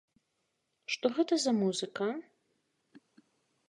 Што гэта за музыка?